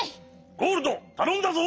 ゴールドたのんだぞ！